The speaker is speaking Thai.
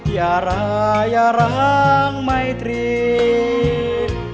อย่าร้าอย่าร้างไม่ตรี